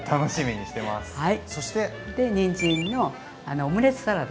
にんじんのオムレツサラダ。